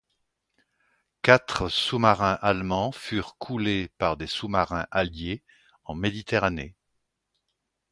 Quatre sous-marins allemands furent coulés par des sous-marins alliés en Méditerranée.